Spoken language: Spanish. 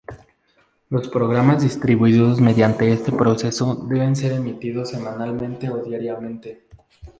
Los programas distribuidos mediante este proceso deben ser emitidos semanalmente o diariamente.